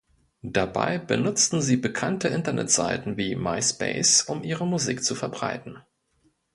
Dabei benutzten sie bekannte Internetseiten wie Myspace, um ihre Musik zu verbreiten.